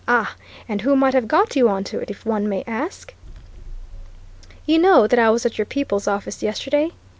"Ah! And who might have got you on to it, if one may ask?" "You know that I was at your people's office yesterday?"